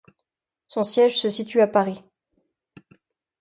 Son siège se situe à Paris.